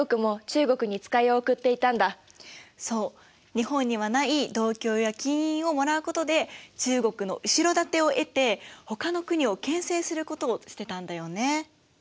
日本にはない銅鏡や金印をもらうことで中国の後ろ盾を得てほかの国をけん制することをしてたんだよね。